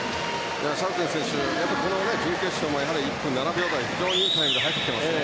シャウテン選手はこの準決勝も１分７秒台と非常にいいタイムで入ってきていますね。